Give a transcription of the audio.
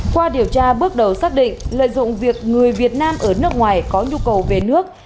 qua điều tra bước đầu xác định lợi dụng việc người việt nam ở nước ngoài có nhu cầu về nước